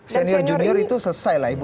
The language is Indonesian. senior junior itu selesai lah ibu